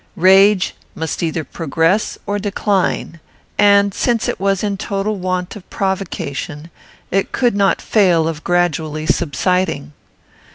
Rage must either progress or decline; and, since it was in total want of provocation, it could not fail of gradually subsiding.